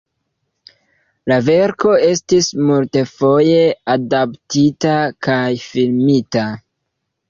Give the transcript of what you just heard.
La verko estis multfoje adaptita kaj filmita.